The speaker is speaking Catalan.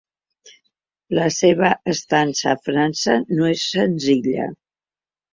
La seva estança a França no és senzilla.